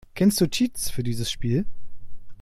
Kennst du Cheats für dieses Spiel?